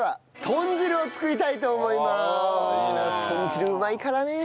豚汁うまいからね。